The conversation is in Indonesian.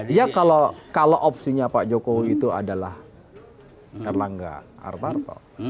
iya kalau opsinya pak jokowi itu adalah erlangga artarto